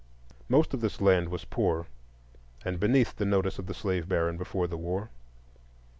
Most of this land was poor, and beneath the notice of the slave baron, before the war.